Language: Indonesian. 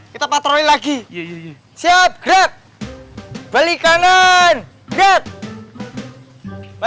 kita patroli lagi siap grab balik kanan grab